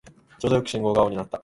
ちょうどよく信号が青になった